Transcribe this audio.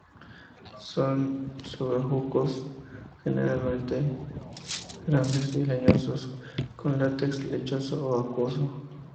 Son bejucos generalmente grandes y leñosos, con látex lechoso o acuoso.